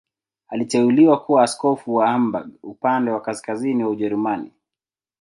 Aliteuliwa kuwa askofu wa Hamburg, upande wa kaskazini wa Ujerumani.